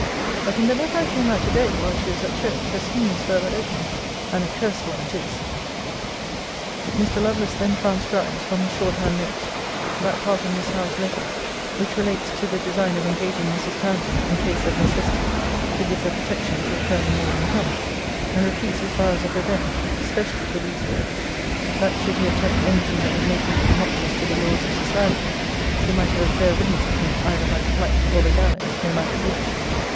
But in the letter I came at to day, while she was at church, her scheme is further opened; and a cursed one it is. [Mr. Lovelace then transcribes, from his short hand notes, that part of Miss Howe's letter, which relates to the design of engaging Mrs. Townsend (in case of necessity) to give her protection till Colonel Morden come:* and repeats his vows of revenge; especially for these words; 'That should he attempt any thing that would make him obnoxious to the laws of society, she might have a fair riddance of him, either by flight or the gallows, no matter which.'